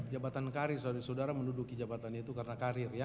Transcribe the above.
jabatan karir saudara menduduki jabatan itu karena karir ya